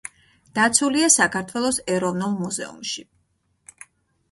დაცულია საქართველოს ეროვნულ მუზეუმში.